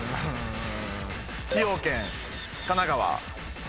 崎陽軒神奈川。